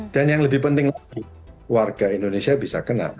dan yang lebih penting lagi warga indonesia bisa kena